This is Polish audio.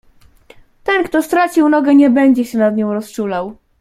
"Ten kto stracił nogę nie będzie się nad nią rozczulał."